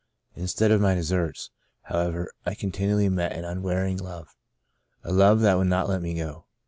Instead of my de serts, however, I continually met an unweary ing love — a love that would not let me go.